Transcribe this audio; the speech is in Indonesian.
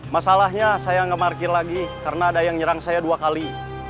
masalahnya saya nggak parkir lagi karena ada yang nyerang saya dua kali